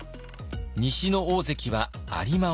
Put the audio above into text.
西の大関は有馬温泉。